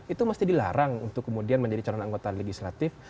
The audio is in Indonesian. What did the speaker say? itu mesti dilarang untuk kemudian menjadi calon anggota legislatif